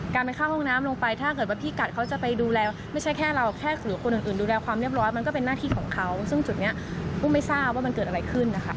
การไปเข้าห้องน้ำลงไปถ้าเกิดว่าพี่กัดเขาจะไปดูแลไม่ใช่แค่เราแค่หรือคนอื่นดูแลความเรียบร้อยมันก็เป็นหน้าที่ของเขาซึ่งจุดนี้กุ้งไม่ทราบว่ามันเกิดอะไรขึ้นนะคะ